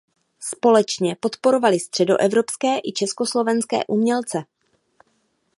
Společně podporovali středoevropské i československé umělce.